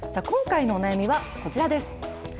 今回のお悩みは、こちらです。